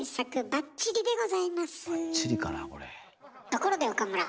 ところで岡村。